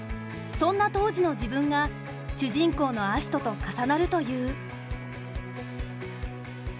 そんな当時の自分が主人公の葦人と重なるという。